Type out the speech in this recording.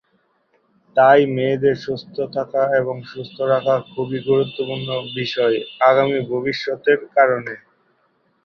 তাই মেয়েদের সুস্থ থাকা এবং সুস্থ রাখা খুবই গুরুত্বপূর্ণ বিষয় আগামী ভবিষ্যৎ-এর কারণে।